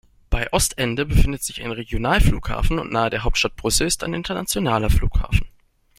Bei Ostende befindet sich ein Regionalflughafen und nahe der Hauptstadt Brüssel ein internationaler Flughafen.